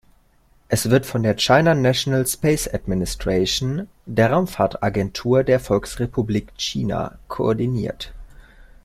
Es wird von der China National Space Administration, der Raumfahrtagentur der Volksrepublik China, koordiniert.